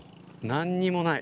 何もない。